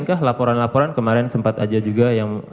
mereka laporan laporan kemarin sempat aja juga